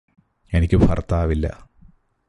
എനിക്ക് ഭർത്താവില്ലാ